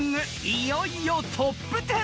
［いよいよトップ１０］